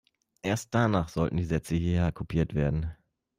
Erst danach sollten die Sätze hierher kopiert werden.